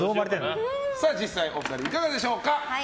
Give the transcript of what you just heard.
実際、お二人いかがでしょうか。